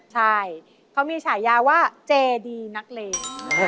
ใช่เขามีฉายาว่าเจดีนักเลง